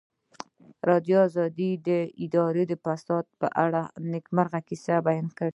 ازادي راډیو د اداري فساد په اړه د نېکمرغۍ کیسې بیان کړې.